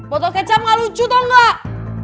botol kecap gak lucu tau gak